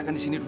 kalau gini sih